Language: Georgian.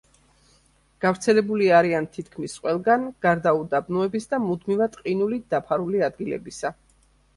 გავრცელებული არიან თითქმის ყველგან, გარდა უდაბნოების და მუდმივი ყინულით დაფარული ადგილებისა.